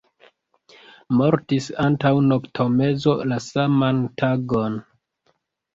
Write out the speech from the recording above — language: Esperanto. Mortis antaŭ noktomezo la saman tagon.